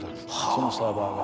そのサーバーが。